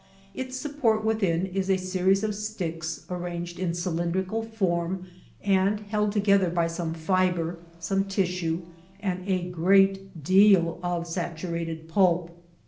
Its support within is a se ries of sticks arranged in cylindrical form and held together by some fibre, some tissue, and a great deal of saturated pulp.